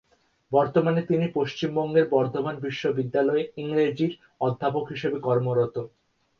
বর্তমানে তিনি পশ্চিমবঙ্গের বর্ধমান বিশ্ববিদ্যালয়ে ইংরেজির অধ্যাপক হিসেবে কর্মরত।